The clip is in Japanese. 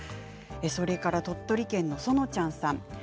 それから鳥取県の方です。